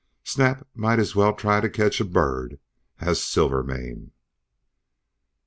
Snap might as well try to catch a bird as Silvermane."